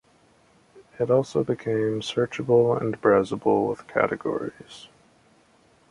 It also became searchable and browsable with categories.